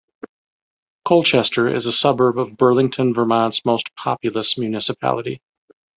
Colchester is a suburb of Burlington-Vermont's most populous municipality.